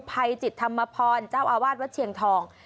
ภัยจิตธรรมพรเจ้าอาวาสวัดเชียงทอง